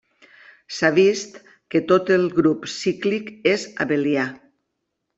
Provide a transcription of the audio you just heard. S'ha vist que tot grup cíclic és abelià.